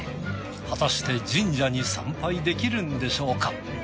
果たして神社に参拝できるんでしょうか？